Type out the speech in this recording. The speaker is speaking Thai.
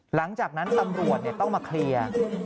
หลังจากนั้นตำรวจต้องมาเคลียร์